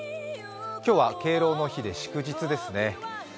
今日は敬老の日で祝日ですね。